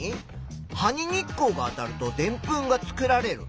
「葉に日光が当たるとでんぷんが作られる」。